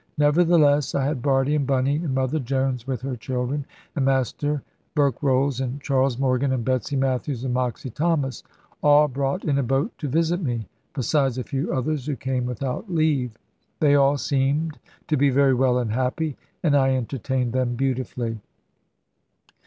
Nevertheless, I had Bardie, and Bunny, and Mother Jones with her children, and Master Berkrolles, and Charles Morgan, and Betsy Matthews, and Moxy Thomas, all brought in a boat to visit me, besides a few others who came without leave. They all seemed to be very well and happy, and I entertained them beautifully.